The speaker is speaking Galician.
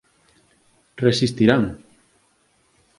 Resistirán.